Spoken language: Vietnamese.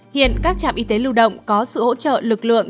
hiện các trạm y tế lưu động có sự hỗ trợ lực lượng